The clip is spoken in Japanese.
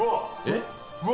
うわ！